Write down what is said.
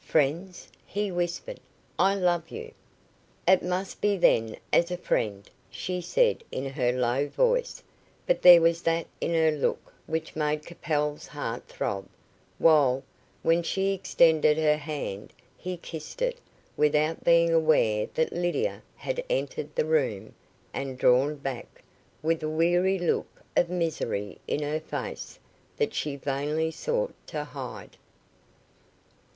"Friends," he whispered. "I love you." "It must be then as a friend," she said, in her low voice; but there was that in her look which made Capel's heart throb, while, when she extended her hand, he kissed it, without being aware that Lydia had entered the room, and drawn back, with a weary look of misery in her face that she vainly sought to hide.